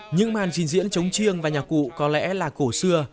những màn diễn diễn trống chiêng và nhạc cụ có lẽ là cổ xưa